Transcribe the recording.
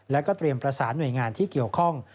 แล้วก็เตรียมประสานหน่วยงานที่เกี่ยวข้อง